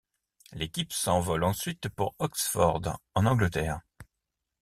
L'équipe s'envole ensuite pour Oxford, en Angleterre.